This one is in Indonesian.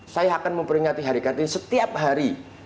saya akan memperingati hari kartini setiap hari